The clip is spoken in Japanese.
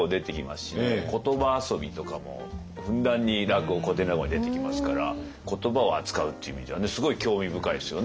言葉遊びとかもふんだんに古典落語には出てきますから言葉を扱うっていう意味ではすごい興味深いですよね。